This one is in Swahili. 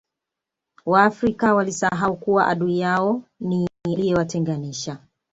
waafrika walisahau kuwa adui yao ni aliyewatenganisha